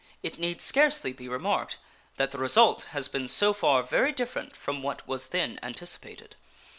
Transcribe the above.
It need scarcely be remarked that the result has been so far very different from what was then anticipated.